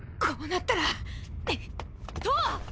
こうなったら！とわ！